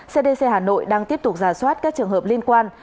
cdc hà nội đang tiếp tục giả soát các trường hợp liên quan